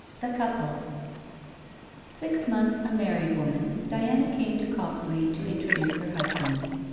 THE COUPLE Six months a married woman, Diana came to Copsley to introduce her husband.